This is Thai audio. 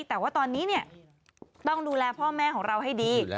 แต่ว่าตอนนี้ต้องดูแลพ่อแม่ของเราให้ดี